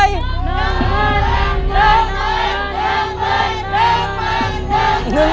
๑เบอร์หรือเปล่า